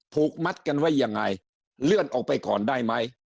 ผูกมัดกันไว้ยังไงเลื่อนออกไปก่อนได้ไหม